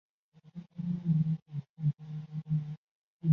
过多的碳水化合物